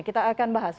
kita akan bahas